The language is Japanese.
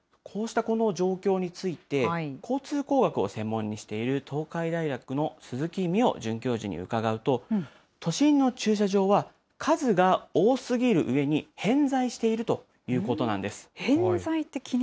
こうしたこの状況について、交通工学を専門にしている東海大学の鈴木美緒准教授に伺うと、都心の駐車場は数が多すぎるうえに、偏在しているということなんです。